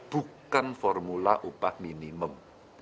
bukan formula upah minimum